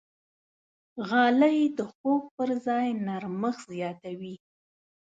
غالۍ د خوب پر ځای نرمښت زیاتوي.